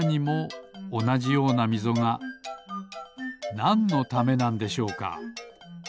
なんのためなんでしょうか？